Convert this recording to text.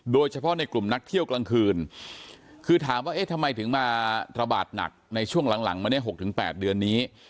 โดยเฉพาะในกลุ่มนักเที่ยวกลางคืนคือถามว่าเอ๊ะทำไมถึงมาระบาดหนักในช่วงหลังมาเนี่ย๖๘เดือนนี้